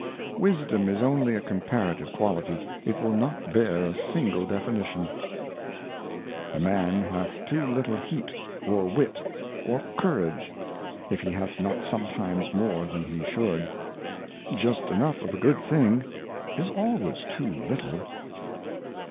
Wisdom is only a comparative Quality, it will not bear a single Definition. A MAN hath too little Heat, or Wit, or Courage, if he hath ^««'^ not sometimes more than he should. Just enough of a good thing is always too little.